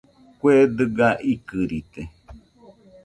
Kue dɨga ikɨrite